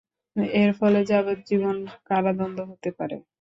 এর ফলে যাবজ্জীবন কারাদণ্ড হতে পারে।